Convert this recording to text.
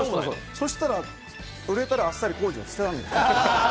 そしたら、売れたらあっさり高円寺を捨てたんです。